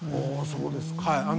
ああそうですか。